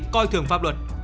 coi thường pháp luật